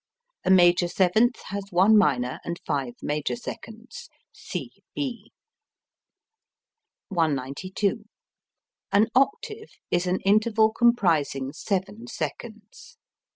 A major seventh has one minor and five major seconds. C B. 192. An octave is an interval comprising seven seconds.